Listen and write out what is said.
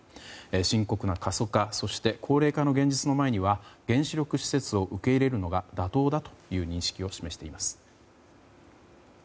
深刻な過疎化、高齢化の現実の中原子力施設を受け入れるのが妥当だという認識を示しています。